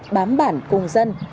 bám bản cùng dân